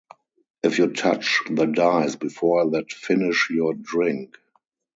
If you touch the dice before that finish your drink.